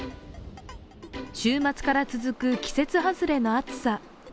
週末から続く季節外れの暑さ。